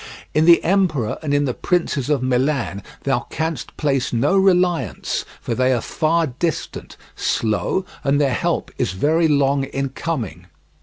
In the Emperor and in the princes of Milan thou canst place no reliance, for they are far distant, slow, and their help is very long in coming.